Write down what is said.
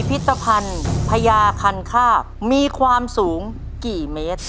พิธภัณฑ์พญาคันคาบมีความสูงกี่เมตร